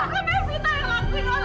saya ingin berpengaruh untuk diri saya